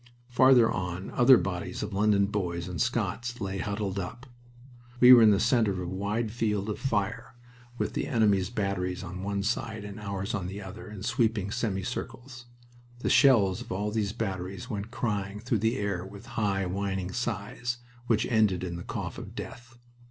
Farther on other bodies of London boys and Scots lay huddled up. We were in the center of a wide field of fire, with the enemy's batteries on one side and ours on the other in sweeping semicircles. The shells of all these batteries went crying through the air with high, whining sighs, which ended in the cough of death.